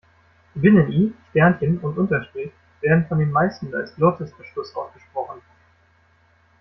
Binnen-I, Sternchen und Unterstrich werden von den meisten als Glottisverschluss ausgesprochen.